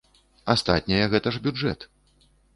Астатняе гэта ж бюджэт.